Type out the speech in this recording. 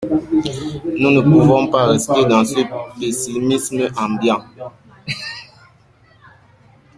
Nous ne pouvons pas rester dans ce pessimisme ambiant.